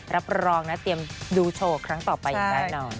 รับรองนะเตรียมดูโชว์ครั้งต่อไปอย่างแน่นอน